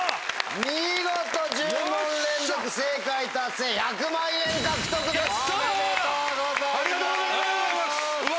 見事１０問連続正解達成１００万円獲得です。